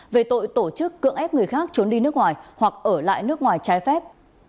về tội tổ chức cưỡng ép người khác trốn đi nước ngoài hoặc ở lại nước ngoài trái phép